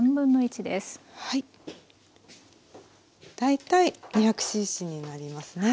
大体２００ｃｃになりますね。